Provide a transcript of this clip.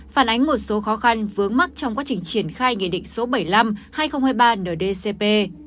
phản ánh một số khó khăn vướng mắt trong quá trình triển khai nghị định số bảy mươi năm hai nghìn hai mươi ba ndcp